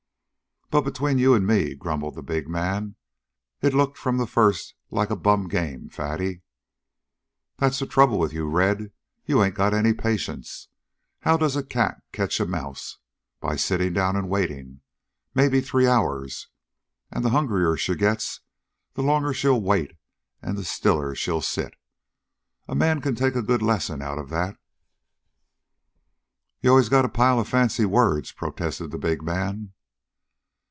"But between you and me," grumbled the big man, "it looked from the first like a bum game, Fatty." "That's the trouble with you, Red. You ain't got any patience. How does a cat catch a mouse? By sitting down and waiting maybe three hours. And the hungrier she gets, the longer she'll wait and the stiller she'll sit. A man could take a good lesson out'n that." "You always got a pile of fancy words," protested the big man.